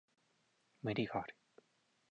無理がある